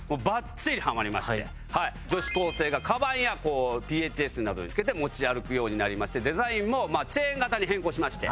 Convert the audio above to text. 女子高生がカバンやＰＨＳなどに付けて持ち歩くようになりましてデザインもチェーン型に変更しまして。